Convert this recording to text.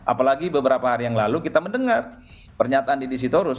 apalagi beberapa hari yang lalu kita mendengar pernyataan didi sitorus